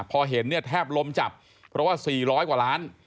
พอเห็นเนี่ยแทบล้มจับเพราะว่า๔๐๐กว่าล้าน